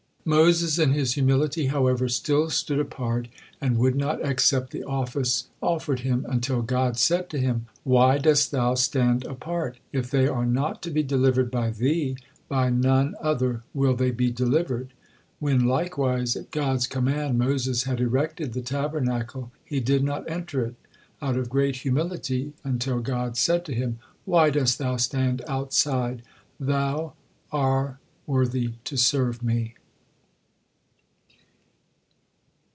'" Moses in his humility, however, still stood apart and would not accept the office offered him, until God said to him "Why dost thou stand apart? If they are not to be delivered by thee, by none other will they be delivered." When, likewise, at God's command Moses had erected the Tabernacle, he did not enter it, out of great humility, until God said to him, "Why dost thou stand outside? Thou are worthy to serve Me."